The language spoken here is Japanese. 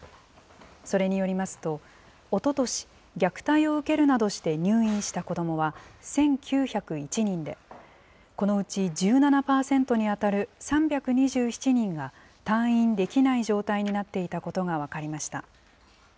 それによりますと、おととし、虐待を受けるなどして、入院した子どもは１９０１人で、このうち１７％に当たる３２７人が退院できない状態になっていたことが分かりました。